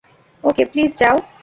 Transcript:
ওকে, please যাও।